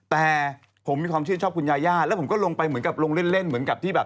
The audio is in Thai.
แต่ผมมีความชื่นชอบคุณยาย่าแล้วผมก็ลงไปเหมือนกับลงเล่นเล่นเหมือนกับที่แบบ